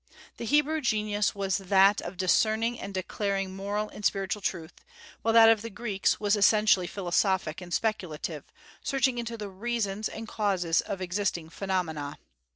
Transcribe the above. The Hebrew genius was that of discerning and declaring moral and spiritual truth; while that of the Greeks was essentially philosophic and speculative, searching into the reasons and causes of existing phenomena.